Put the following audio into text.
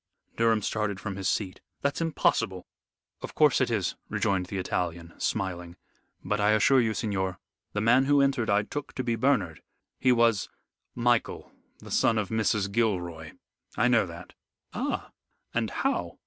Durham started from his seat. "That's impossible." "Of course it is," rejoined the Italian, smiling; "but I assure you, signor, the man who entered I took to be Bernard. He was " "Michael, the son of Mrs. Gilroy. I know that." "Ah! And how?"